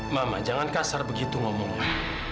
mama jangan kasar begitu ngomongnya